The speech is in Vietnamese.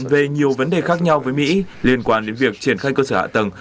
về nhiều vấn đề khác nhau với mỹ liên quan đến việc triển khai cơ sở hạ tầng